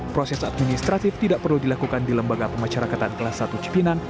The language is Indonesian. proses administratif tidak perlu dilakukan di lembaga pemasyarakatan kelas satu cipinang